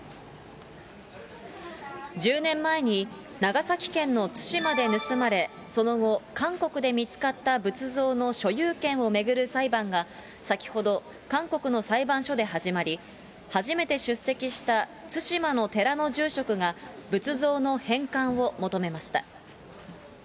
１０年前に、長崎県の対馬で盗まれ、その後、韓国で見つかった仏像の所有権を巡る裁判が、先ほど韓国の裁判所で始まり、初めて出席した対馬の寺の住職が、仏像の返還を求めました。